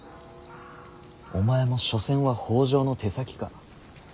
お前も所詮は北条の手先か。